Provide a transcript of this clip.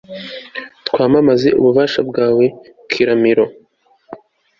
twamamaze ububasha bwawe, kiramiro